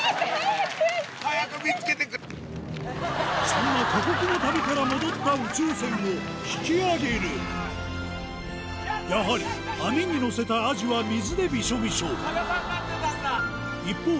そんな過酷な旅から戻った宇宙船を引き揚げるやはり網にのせたアジは水でビショビショ一方